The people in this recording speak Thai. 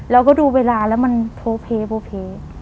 เราก็ดูเวลาแล้วมันโพเพโพเพ